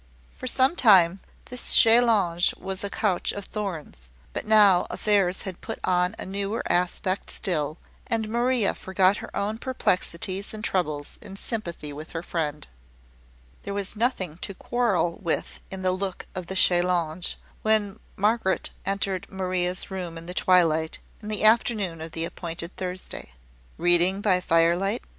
For some time, this chaise longue was a couch of thorns; but now affairs had put on a newer aspect still, and Maria forgot her own perplexities and troubles in sympathy with her friend. There was nothing to quarrel with in the look of the chaise longue, when Margaret entered Maria's room in the twilight, in the afternoon of the appointed Thursday. "Reading by fire light?"